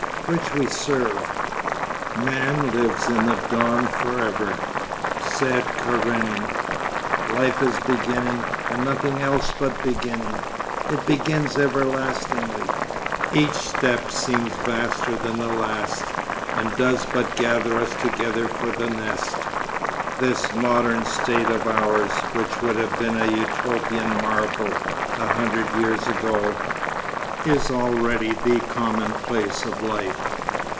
Which we serve.... 'Man lives in the dawn for ever,' said Karenin. 'Life is beginning and nothing else but beginning. It begins everlastingly. Each step seems vaster than the last, and does but gather us together for the nest. This Modern State of ours, which would have been a Utopian marvel a hundred years ago, is already the commonplace of life.